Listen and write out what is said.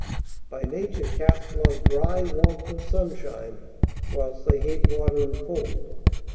By nature cats love dry warmth and sunshine, whilst they hate water and cold.